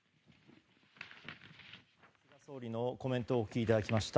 総理のコメントをお聞きいただきました。